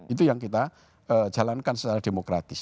itu yang kita jalankan secara demokratis